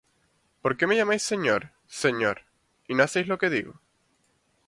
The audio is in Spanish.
¿Por qué me llamáis, Señor, Señor, y no hacéis lo que digo?